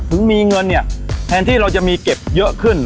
ถึงมีเงินเนี่ยแทนที่เราจะมีเก็บเยอะขึ้น